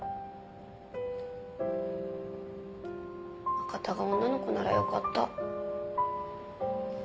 赤田が女の子ならよかった。